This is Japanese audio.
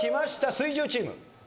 水１０チーム。